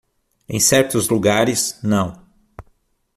Em certos lugares, não.